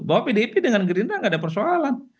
bahwa pdip dengan gerindang tidak ada persoalan